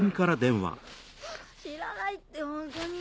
知らないってホントに。